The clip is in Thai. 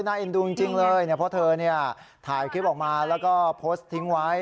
น่าเอ็นดูจริงจริงเลยเนี่ยเพราะเธอเนี่ยถ่ายคลิปออกมาแล้วก็โพสต์ทิ้งไว้